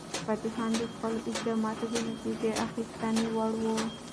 فتح خان د خپلو اقداماتو د نتیجه اخیستنې وړ و.